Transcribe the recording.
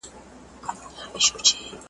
بودهګان نن په دښته کي څرېږي.